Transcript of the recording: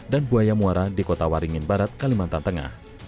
dan buaya muara di kota waringin barat kalimantan tengah